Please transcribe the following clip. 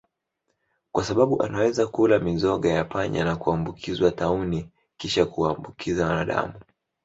kwa sbabu anaweza kula mizoga ya panya na kuambukizwa tauni kisha kuwaambukiza wanadamu